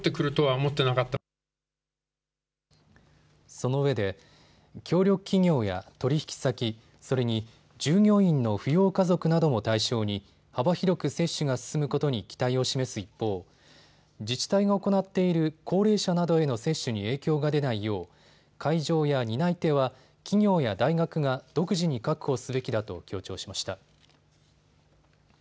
そのうえで協力企業や取引先、それに従業員の扶養家族なども対象に幅広く接種が進むことに期待を示す一方、自治体が行っている高齢者などへの接種に影響が出ないよう会場や担い手は企業や大学が独自に確保すべきだと強調しました。